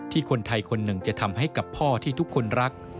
คนไทยคนหนึ่งจะทำให้กับพ่อที่ทุกคนรัก